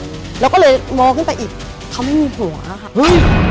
เราก็เลยมองขึ้นไปอีกเขาไม่มีผัวค่ะเฮ้ย